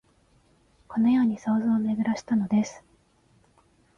このように想像をめぐらしたのです